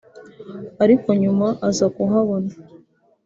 ariko nyuma aza kuhabona